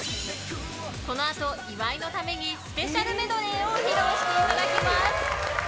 このあと岩井のためにスペシャルメドレーを披露していただきます。